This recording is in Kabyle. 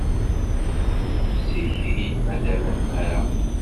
Fsi-t-id, ma terra tmara.